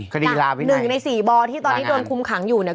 คดีหนึ่งในสี่บอที่ตอนนี้โดนคุมขังอยู่เนี่ย